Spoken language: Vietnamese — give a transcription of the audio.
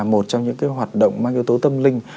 một trong những hoạt động mang yếu tố tâm linh